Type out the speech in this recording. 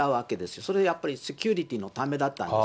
それ、やっぱりセキュリティーのためだったんです。